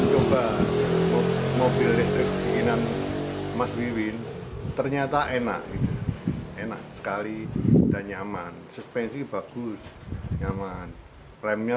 coba mobil listrik inginan mas wiwin ternyata enak enak sekali dan nyaman suspensi bagus nyaman remnya